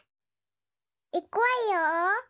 いくわよ！